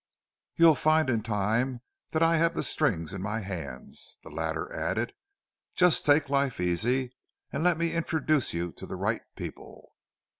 "You'll find in time that I have the strings in my hands," the latter added. "Just take life easy, and let me introduce you to the right people."